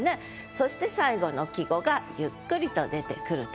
そして最後の季語がゆっくりと出てくると。